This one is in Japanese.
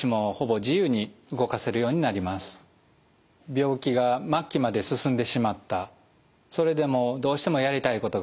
病気が末期まで進んでしまったそれでもどうしてもやりたいことがある。